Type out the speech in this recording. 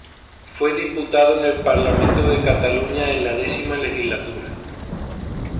Fue diputado en el Parlamento de Cataluña en la X legislatura.